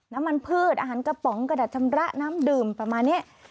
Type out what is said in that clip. พืชอาหารกระป๋องกระดาษชำระน้ำดื่มประมาณนี้